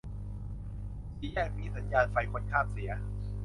สี่แยกนี้สัญญาณไฟคนข้ามเสีย